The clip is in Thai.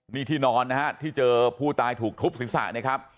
นี่ที่นอนนะฮะที่เจอผู้ตายถูกทุบศีรษะนะครับ